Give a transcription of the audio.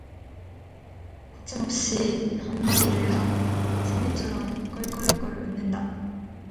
거침없이 한마디를 하고 사내처럼 껄껄껄 웃는다.